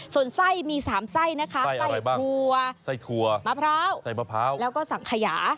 ส่วนไส้มี๓ไส้นะคะไส้ถั่วไส้มะพร้าวแล้วก็สังขยา